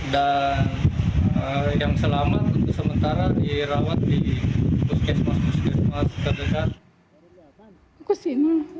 dan yang selamat untuk sementara dirawat di puskesmas puskesmas terdekat